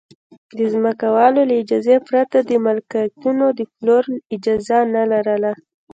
د ځمکوالو له اجازې پرته د ملکیتونو د پلور اجازه نه لرله